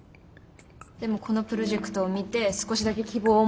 でもこのプロジェクトを見て少しだけ希望を。